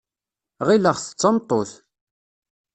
Ɣileɣ-t d tameṭṭut.